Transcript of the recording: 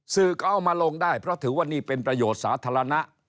สื่อก็เอามาลงได้เพราะถือว่านี่เป็นประโยชน์สาธารณะ